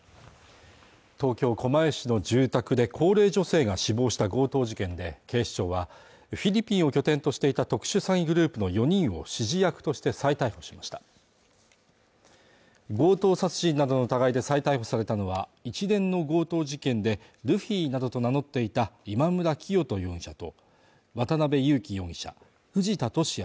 東京・狛江市の住宅で高齢女性が死亡した強盗事件で警視庁はフィリピンを拠点としていた特殊詐欺グループの４人を指示役として再逮捕しました強盗殺人などの疑いで再逮捕されたのは一連の強盗事件でルフィなどと名乗っていた今村磨人容疑者と渡辺優樹容疑者藤田聖也